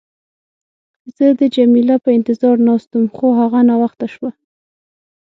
زه د جميله په انتظار ناست وم، خو هغه ناوخته شوه.